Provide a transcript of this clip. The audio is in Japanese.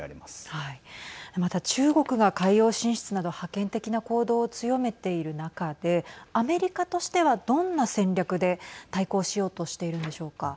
また中国が海洋進出など覇権的な行動を強めている中でアメリカとしては、どんな戦略で対抗しようとしているんでしょうか。